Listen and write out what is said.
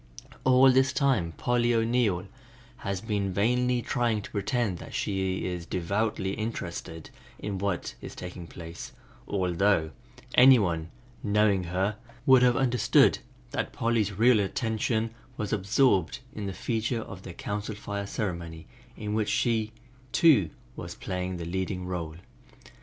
All this time Polly O'Neill has been vainly trying to pretend that she is devoutly interested in what is taking place, although any one knowing her would have understood that Polly's real attention was absorbed in the feature of their Council Fire ceremony in which she was to play the leading role.